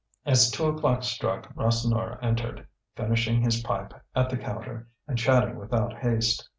As two o'clock struck Rasseneur entered, finishing his pipe at the counter, and chatting without haste.